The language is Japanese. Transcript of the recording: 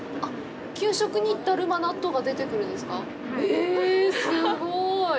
えぇ、すごい！